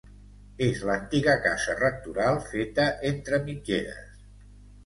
És l'antiga casa rectoral, feta entre mitgeres.